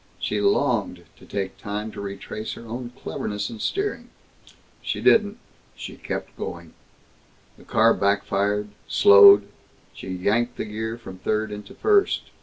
She longed to take time to retrace her own cleverness in steering. She didn't. She kept going. The car backfired, slowed. She yanked the gear from third into first.